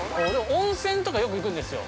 ◆温泉とかよく行くんですよ。